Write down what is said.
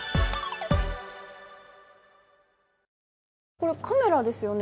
これカメラですよね？